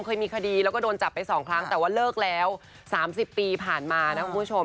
เคยมีคดีแล้วก็โดนจับไป๒ครั้งแต่ว่าเลิกแล้ว๓๐ปีผ่านมานะคุณผู้ชม